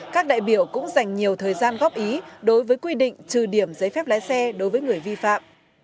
các đại biểu cũng dành nhiều thời gian góp ý đối với quy định trừ điểm giấy phép lái xe đối với người vi phạm